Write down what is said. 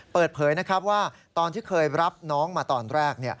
เปิดเผยนะครับว่าตอนที่เคยรับน้องมาตอนแรก